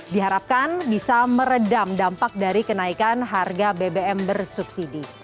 diharapkan bisa meredam dampak dari kenaikan harga bbm bersubsidi